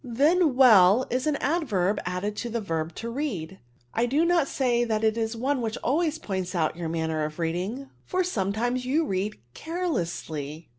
"" Then well is an adverb added to the verb to read. I do not say that it is one which always points out * your manner of reading, for sometimes you read carelessly.